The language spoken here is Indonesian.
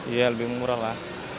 iya lebih murah lah